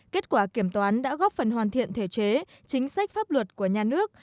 kết quả kiểm toán đã góp phần hoàn thiện thể chế chính sách pháp luật của nhà nước